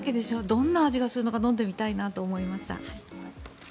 どんな味がするのか飲んでみたいなと思いました。